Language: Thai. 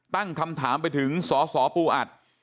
ตั้งคำถามไปถึงสสปูอัด